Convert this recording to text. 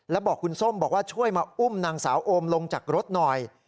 แล้วบอกคุณส้มบอกว่าช่วยมาอุ้มนางสาวโอมลงจากรถหน่อย